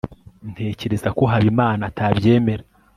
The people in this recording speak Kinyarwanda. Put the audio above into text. ntekereza ko habimana atabyemera